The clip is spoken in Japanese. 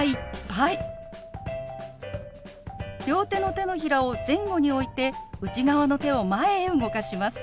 両手の手のひらを前後に置いて内側の手を前へ動かします。